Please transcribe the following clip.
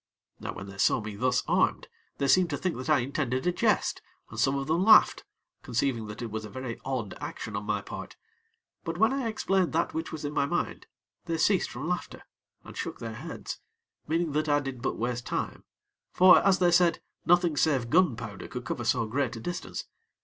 Now when they saw me thus armed, they seemed to think that I intended a jest, and some of them laughed, conceiving that it was a very odd action on my part; but when I explained that which was in my mind, they ceased from laughter, and shook their heads, making that I did but waste time; for, as they said, nothing save gunpowder could cover so great a distance.